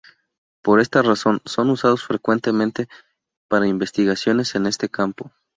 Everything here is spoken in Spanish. Por esta razón son usados frecuentemente para investigaciones en este campo.